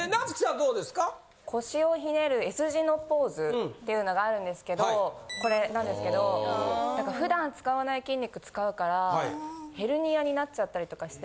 どうですか？っていうのがあるんですけどこれなんですけど普段使わない筋肉使うからヘルニアになっちゃったりとかして。